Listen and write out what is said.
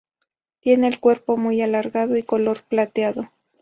Tienen el cuerpo muy alargado y color plateado.